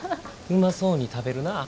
うまそうに食べるなぁ。